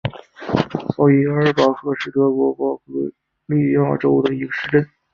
奥伊埃尔巴赫是德国巴伐利亚州的一个市镇。